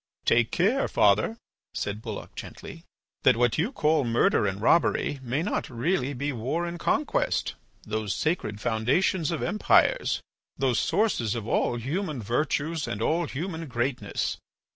"Take care, father," said Bulloch gently, "that what you call murder and robbery may not really be war and conquest, those sacred foundations of empires, those sources of all human virtues and all human greatness.